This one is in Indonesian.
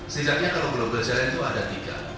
sejujurnya kalau global challenge itu ada tiga